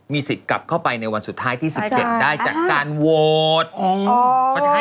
มีสิทธิ์กลับเข้าไปในวันสุดท้ายที่สิทธิ์เขียนได้จากการโหวตอ๋อ